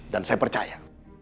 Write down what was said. dan saya percaya